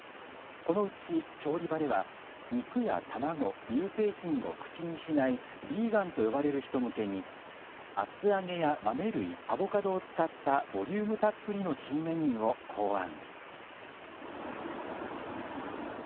このうち調理場では肉や卵、乳製品を口にしないヴィーガンと呼ばれる人向けに厚揚げや豆類、アボカドを使ったボリュームたっぷりの新メニューを考案。